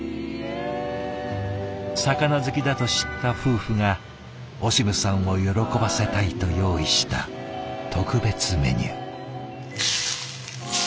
魚好きだと知った夫婦がオシムさんを喜ばせたいと用意した特別メニュー。